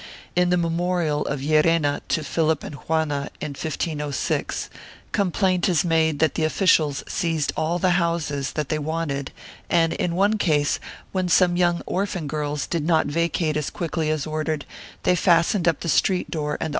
In the memorial of Llerena to Philip and Juana, in 1506, complaint is made that the officials seized all the houses that they wanted and in one case, when some young orphan girls did not vacate as quickly as ordered, they fastened up the street door and the 1 Archive de Simancas, Libro 939, fol.